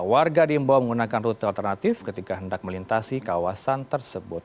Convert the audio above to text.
warga diimbau menggunakan rute alternatif ketika hendak melintasi kawasan tersebut